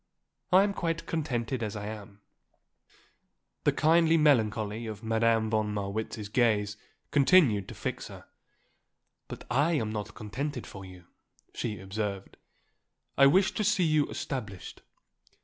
I am quite contented as I am." The kindly melancholy of Madame von Marwitz's gaze continued to fix her. "But I am not contented for you," she observed. "I wish to see you established.